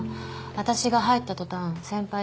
私が入った途端先輩